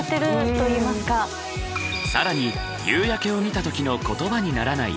更に夕焼けを見た時の言葉にならない